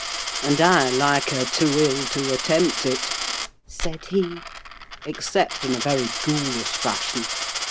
"And I like her too ill to attempt it," said he, "except in a very ghoulish fashion.